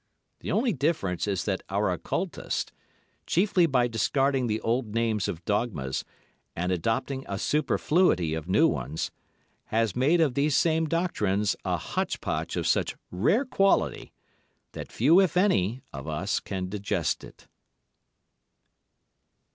The only difference is that our Occultist, chiefly by discarding the old names of dogmas, and adopting a superfluity of new ones, has made of these same doctrines a hotch potch of such rare quality, that few—if indeed any—of us can digest it.